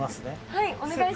はい。